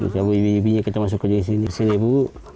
kita masuk ke sini bu